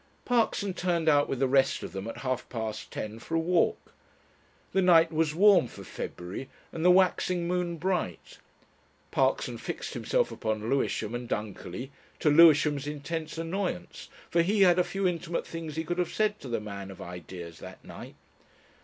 Parkson turned out with the rest of them at half past ten, for a walk. The night was warm for February and the waxing moon bright. Parkson fixed himself upon Lewisham and Dunkerley, to Lewisham's intense annoyance for he had a few intimate things he could have said to the man of Ideas that night.